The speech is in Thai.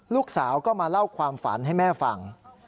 ลูกสาวก็มาเล่าความฝันให้แม่ฟัง